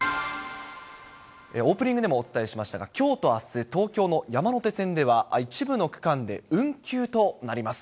オープニングでもお伝えしましたが、きょうとあす、東京の山手線では、一部の区間で運休となります。